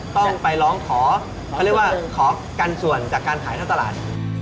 ต้องไปร้องขอเขาเรียกว่าขอกันส่วนจากการขายท่อตลาด